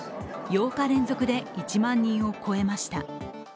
８日連続で１万人を超えました。